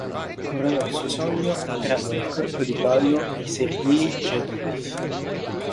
Coronò il suo sogno entrando nel corpo di ballo di Sergej Djagilev.